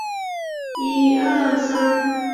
卢纳皮尔是美国密歇根州门罗县的一座城市。